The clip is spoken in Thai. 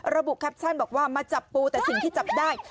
ระบุแคปชั่นบอกว่ามาจับปูแต่สิ่งที่จับได้